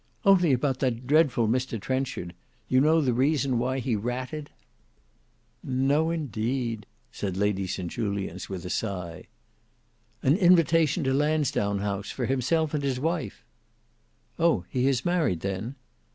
"Only about that dreadful Mr Trenchard; you know the reason why he ratted?" "No, indeed," said Lady St Julians with a sigh. "An invitation to Lansdowne House, for himself and his wife!" "Oh! he is married then?"